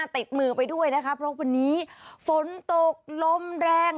ติดมือไปด้วยนะคะเพราะวันนี้ฝนตกลมแรง